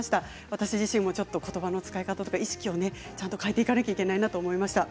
私自身もちょっとことばの使い方とか意識をちゃんと変えていかなきゃいけないなと思いました。